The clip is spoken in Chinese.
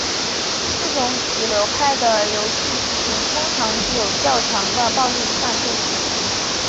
这种子流派的游戏剧情通常具有较强的暴力犯罪主题。